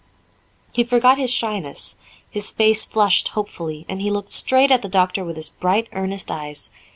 He forgot his shyness; his face flushed hopefully, and he looked straight at the doctor with his bright, earnest eyes.